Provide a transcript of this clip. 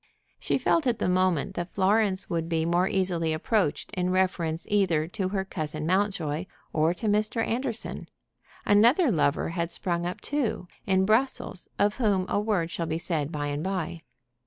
She felt at the moment that Florence would be more easily approached in reference either to her cousin Mountjoy or to Mr. Anderson. Another lover had sprung up, too, in Brussels, of whom a word shall be said by and by.